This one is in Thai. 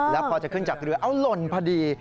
แล้วพอจะขึ้นจากเรือเอาหล่นพอดี